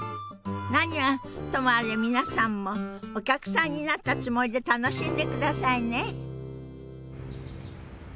何はともあれ皆さんもお客さんになったつもりで楽しんでくださいね。